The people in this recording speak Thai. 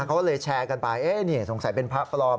เขาก็เลยแชร์กันไปนี่สงสัยเป็นพระปลอม